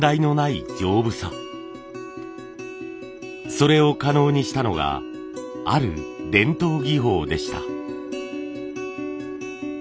それを可能にしたのがある伝統技法でした。